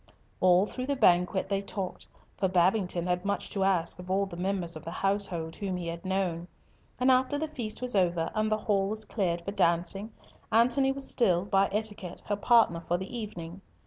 All through the banquet they talked, for Babington had much to ask of all the members of the household whom he had known. And after the feast was over and the hall was cleared for dancing, Antony was still, by etiquette, her partner for the evening.